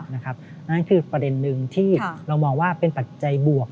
นั่นคือประเด็นหนึ่งที่เรามองว่าเป็นปัจจัยบวก